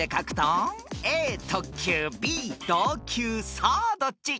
［さあどっち？］